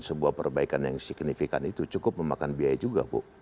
sebuah perbaikan yang signifikan itu cukup memakan biaya juga bu